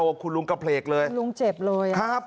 คุณลุงกระเพลกเลยคุณลุงเจ็บเลยครับ